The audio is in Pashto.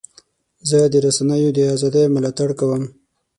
زه د رسنیو د ازادۍ ملاتړ کوم.